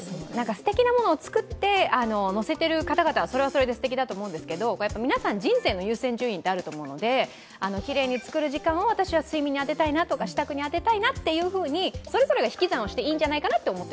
すてきなものを作ってのせている方々はそれはそれですてきだと思うんですけど皆さん、人生の優先順位ってあると思うので、きれいに作る時間を私は睡眠に当てたいな、支度に当てたいなというふうに、それぞれが引き算をしてもいいんじゃないかなと。